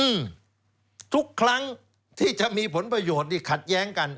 อืมทุกครั้งที่จะมีผลประโยชน์นี่ขัดแย้งกัน